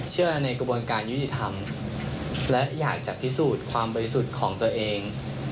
ในกระบวนการยุติธรรมและอยากจะพิสูจน์ความบริสุทธิ์ของตัวเอง